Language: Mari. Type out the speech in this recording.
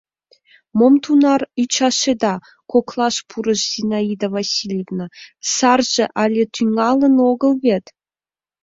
— Мом тунаре ӱчашеда, — коклаш пурыш Зинаида Васильевна, — сарже але тӱҥалын огыл вет?